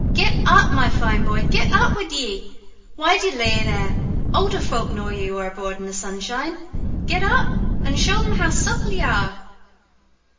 Get up, my fine bhoy get up wid ye! Why do you lie there? owlder folk nor you are abroad in the sunshine. Get up, and show them how supple you are!"